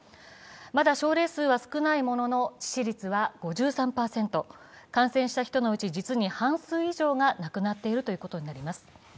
まだ症例数は少ないものの致死率は５３％、感染した人のうち実に半数以上の人が亡くなっていることになります。